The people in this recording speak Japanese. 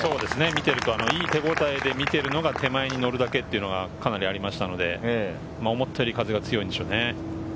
見ていると、いい手応えで見ているのは手前に乗るだけというのがかなりありましたので、思ったより風が強いんでしょうね。